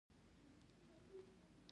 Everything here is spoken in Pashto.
د باختر سرو زرو پیالې اپولو لري